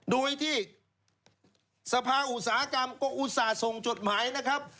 โดยที่สภาอุตสาหกรรมก็อุตส่าห์ส่งจดหมายนะครับ